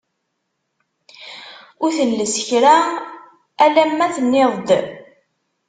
Ur telles kra, alamma tenniḍ-d!